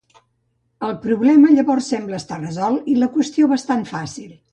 El problema llavors sembla estar resolt i la qüestió bastant fàcil.